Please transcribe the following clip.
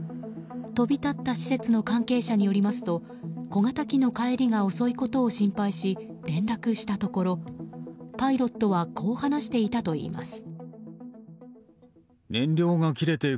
飛び立った施設の関係者によりますと小型機の帰りが遅いことを心配し連絡したところパイロットはこう話していたといいます。